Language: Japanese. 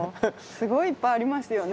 すごいいっぱいありますよね。